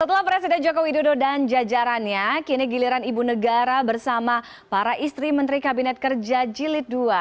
setelah presiden joko widodo dan jajarannya kini giliran ibu negara bersama para istri menteri kabinet kerja jilid ii